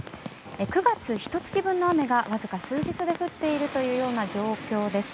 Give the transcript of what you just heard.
９月ひと月分の雨がわずか数日で降っているというような状況です。